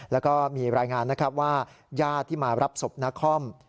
แล้วก็มีรายงานนะครับว่าญาติที่มารับศพนคร